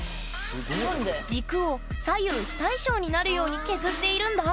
軸を左右非対称になるように削っているんだ！